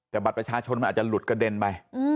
แต่บัตรประชาชนมันอาจจะหลุดกระเด็นไป